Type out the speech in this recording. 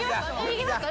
いきますか？